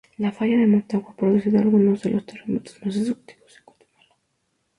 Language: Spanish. La falla de Motagua ha producido algunos de los terremotos más destructivos en Guatemala.